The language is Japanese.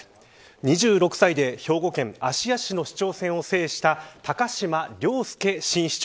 ２６歳で兵庫県芦屋市の市長選を制した高島崚輔新市長